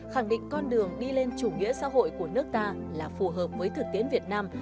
khẳng định con đường đi lên chủ nghĩa xã hội của nước ta là phù hợp với thực tiến việt nam